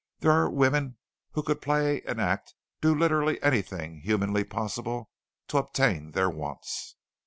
There are women who could play any act, do literally anything humanly possible to obtain their wants.